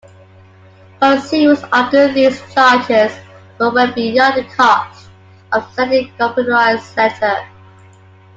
Consumers argued these charges were well beyond the cost of sending a computerised letter.